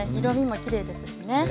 色みもきれいですしね。